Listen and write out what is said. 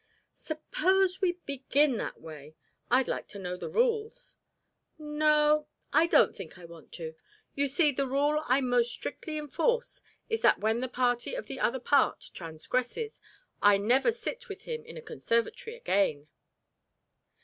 "Suppose we begin that way. I'd like to know the rules." "N o, I don't think I want to. You see, the rule I most strictly enforce is that when the party of the other part transgresses, I never sit with him in a conservatory again."